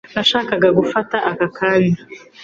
nashakaga gufata aka kanya